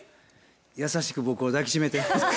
優しく僕を抱き締めて。